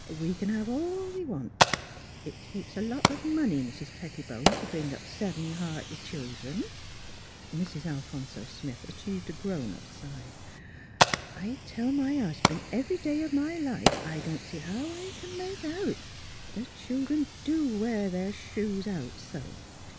We can have all we want. It takes lots of money, Mis' Pettibone, to bring up seven hearty children." Mrs. Alphonso Smith achieved a grown up sigh. *' I tell my hus'ban' every day of my life I don't see how I can make out; the children do wear their shoes out so.